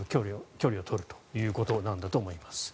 距離を取るということなんだと思います。